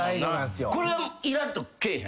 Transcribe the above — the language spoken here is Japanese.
これはいらっとけえへん？